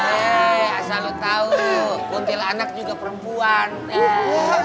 eh asal lo tau buntilanak juga perempuan